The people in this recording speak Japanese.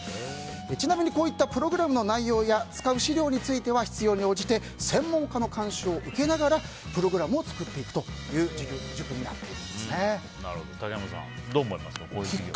ちなみにこういったプログラムの内容や使う資料については必要に応じて専門家の監修を受けながらプログラムを作っていくという竹山さん、どう思いますか。